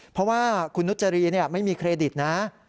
เพราะว่าคุณนุจรีไม่มีเครดิตนะ